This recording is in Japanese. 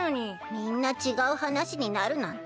みんな違う話になるなんて。